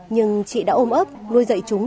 nhưng chị đã ôm ấp nuôi dậy chúng